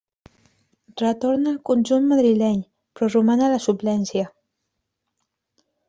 Retorna al conjunt madrileny, però roman a la suplència.